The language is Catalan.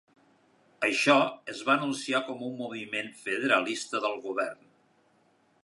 Això es va anunciar com un moviment federalista del govern.